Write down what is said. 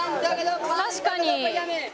確かに。